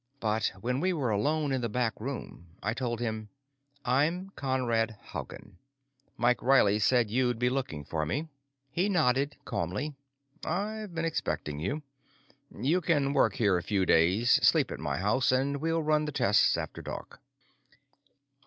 But when we were alone in the back room, I told him, "I'm Conrad Haugen. Mike Riley said you'd be looking for me." He nodded calmly. "I've been expecting you. You can work here a few days, sleep at my house, and we'll run the tests after dark."